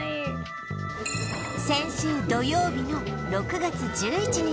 先週土曜日の６月１１日